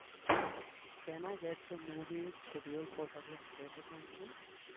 Can I get the movie schedule for Douglas Theatre Company